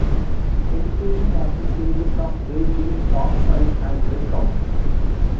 Penetration has the stages of break in, dog fight and break-out.